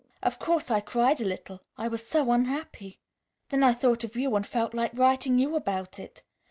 Of course I cried a little. I was so unhappy. Then I thought of you and felt like writing you about it.